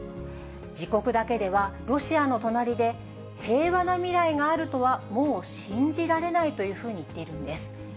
自国だけではロシアの隣で平和な未来があるとは、もう信じられないというふうに言っているんです。